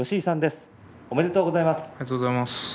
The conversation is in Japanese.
ありがとうございます。